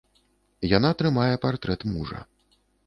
Яна трымае партрэт мужа.